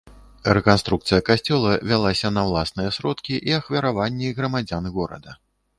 Рэканструкцыя касцёла вялася на ўласныя сродкі і ахвяраванні грамадзян горада.